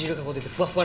ふわふわ。